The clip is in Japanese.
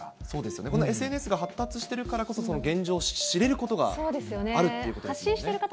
そうですよね、ＳＮＳが発達しているからこそ、現状を知れることがあるっていうことですもんね。